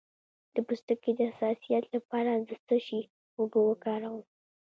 د پوستکي د حساسیت لپاره د څه شي اوبه وکاروم؟